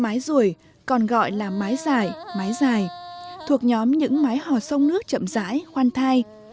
mái rùi còn gọi là mái giải mái dài thuộc nhóm những mái hò sông nước chậm rãi khoan thai